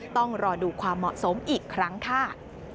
ต้องรอดูความเหมาะสมอีกครั้งค่ะ